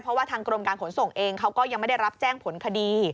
เพราะว่าทางกรมการขนส่งเองเขาก็ยังไม่ได้รับแจ้งผลคดี